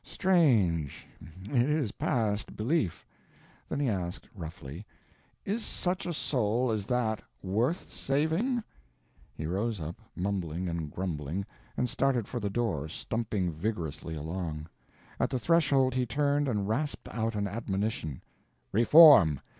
strange... it is past belief." Then he asked, roughly: "Is such a soul as that _worth _saving?" He rose up, mumbling and grumbling, and started for the door, stumping vigorously along. At the threshold he turned and rasped out an admonition: "Reform!